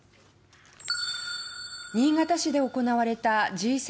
新潟市で行われたＧ７・